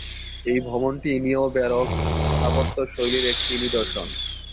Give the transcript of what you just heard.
এই ভবনটি নিও-ব্যারোক স্থাপত্যশৈলীর একটি নিদর্শন।